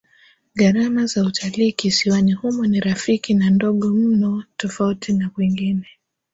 Gharama za utalii kisiwani humo ni rafiki na ndogo mno tofauti na kwingine